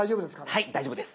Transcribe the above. はい大丈夫です。